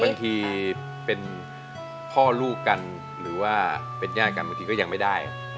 บางทีเป็นพ่อลูกกันหรือว่าเป็นญาติกันบางทีก็ยังไม่ได้